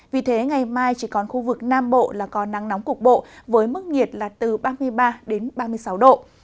vì thế ngày mai chỉ còn khu vực nam bộ là có nắng nóng cục bộ với mức nhiệt là từ ba mươi ba đến ba mươi sáu độ